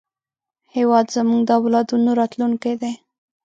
هېواد زموږ د اولادونو راتلونکی دی